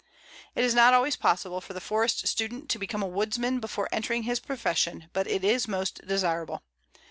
It is not always possible for the forest student to become a woodsman before entering his profession, but it is most desirable.